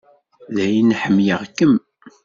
Dayen ḥemmleɣ-kem.